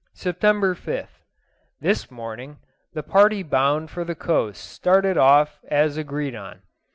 September 5th. This morning, the party bound for the coast started off as agreed on.